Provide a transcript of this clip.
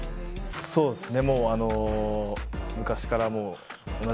そうですね。